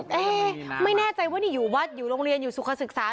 เอ๊ะไม่แน่ใจว่านี่อยู่วัดอยู่โรงเรียนอยู่สุขศึกษา